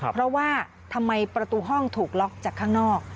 เพราะว่าทำไมประตูห้องถูกล็อกจากข้างนอก